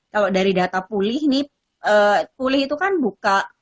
kalau dari data pulih nih pulih itu kan buka